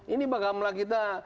ini bakamlah kita